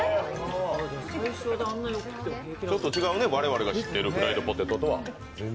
ちょっと違うね、我々の知ってるフライドポテトとは。